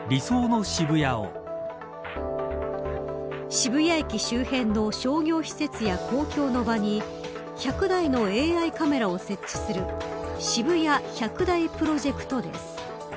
渋谷駅周辺の商業施設や公共の場に１００台のＡＩカメラを設置する渋谷１００台プロジェクトです。